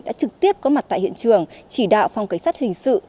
đã trực tiếp có mặt tại hiện trường chỉ đạo phòng cảnh sát hình sự